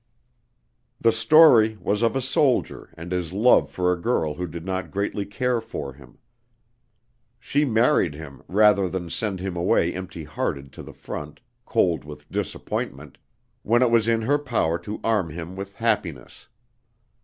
The story was of a soldier and his love for a girl who did not greatly care for him. She married him rather than send him away empty hearted to the front, cold with disappointment, when it was in her power to arm him with happiness.